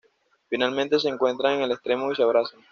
Finalmente se encuentran en el extremo y se abrazan.